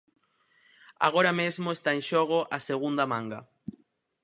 Agora mesmo está en xogo a segunda manga.